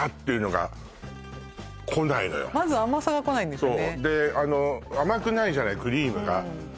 まず甘さがこないんですよね